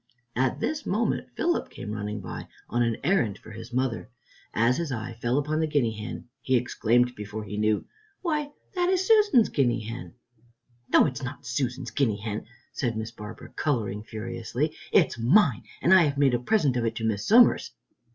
At this moment Philip came running by on an errand for his mother. As his eye fell upon the guinea hen, he exclaimed before he knew, "Why, that is Susan's guinea hen!" "No, it is not Susan's guinea hen," said Miss Barbara, coloring furiously, "it is mine, and I have made a present of it to Miss Somers."